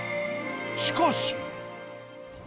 しかし。